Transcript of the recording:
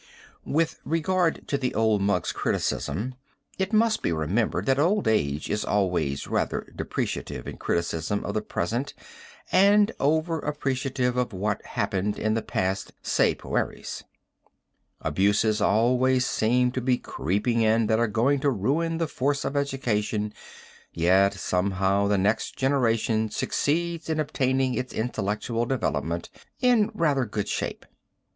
'" With regard to the old monk's criticism it must be remembered that old age is always rather depreciative in criticism of the present and over appreciative of what happened in the past se pueris. Abuses always seem to be creeping in that are going to ruin the force of education, yet somehow the next generation succeeds in obtaining its intellectual development in rather good shape.